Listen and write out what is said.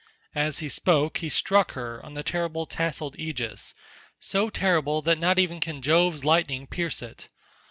As he spoke he struck her on the terrible tasselled aegis—so terrible that not even can Jove's lightning pierce it.